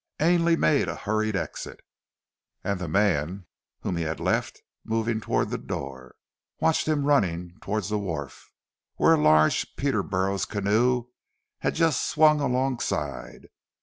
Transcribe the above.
Ainley made a hurried exit, and the man whom he had left, moving to the door, watched him running towards the wharf, where a large Peterboro' canoe had just swung alongside.